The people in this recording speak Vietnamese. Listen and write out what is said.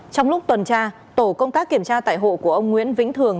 trong lúc tuần tra tổ công tác kiểm tra tại hộ của ông nguyễn vĩnh thường